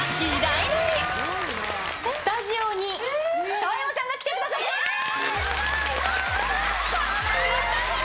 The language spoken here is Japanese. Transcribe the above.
スタジオに澤山さんが来てくださっています。